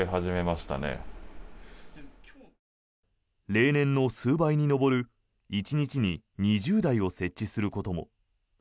例年の数倍に上る１日に２０台を設置することも。